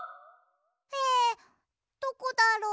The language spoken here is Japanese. えどこだろう？